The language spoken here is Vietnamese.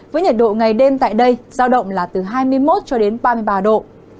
với nhiệt độ ngày đêm tại đây giao động là từ hai mươi một cho đến ba mươi ba độ